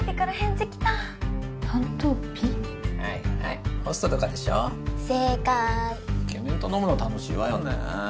イケメンと飲むの楽しいわよねぇ。